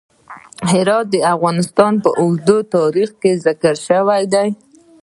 هرات د افغانستان په اوږده تاریخ کې ذکر شوی دی.